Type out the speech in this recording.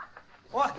おい！